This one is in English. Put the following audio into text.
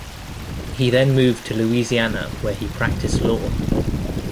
He then moved to Louisiana, where he practiced law.